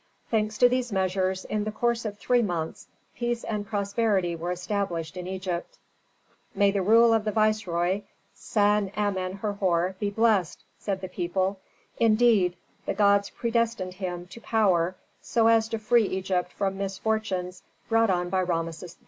Thanks to these measures, in the course of three months peace and prosperity were established in Egypt. "May the rule of the viceroy, San Amen Herhor be blessed!" said the people. "Indeed the gods predestined him to power so as to free Egypt from misfortunes brought on by Rameses XIII.